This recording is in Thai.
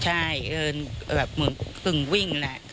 ใช่เดินแบบกึ่งวิ่งแหละ